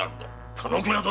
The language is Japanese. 田之倉殿！